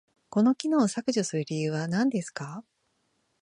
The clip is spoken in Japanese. この機能を削除する理由は何ですか？